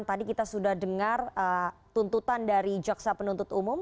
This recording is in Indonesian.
tadi kita sudah dengar tuntutan dari jaksa penuntut umum